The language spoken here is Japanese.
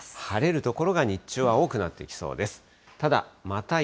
晴れる所が日中は多くなってきそうです。